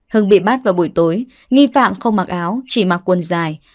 hưng bị bắt vào buổi tối nghi phạm không mặc áo chỉ mặc quần dài